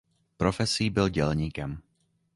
Profesí byl dělníkem.